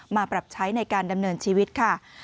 มาปรับใช้ในการดำเนินชีวิตค่ะ